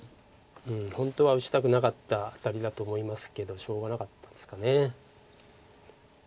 本当は打ちたくなかったアタリだと思いますけどしょうがなかったですか。